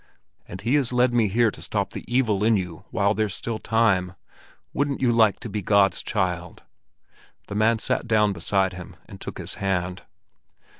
And He has led me here to stop the evil in you while there's still time. Wouldn't you like to be God's child?" The man sat down beside him and took his hand.